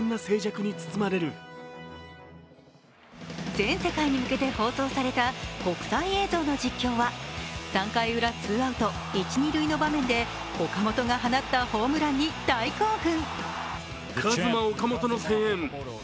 全世界に向けた放送された国際映像の実況は３回ウラ、ツーアウト一・二塁の場面で岡本が放ったホームランに大興奮。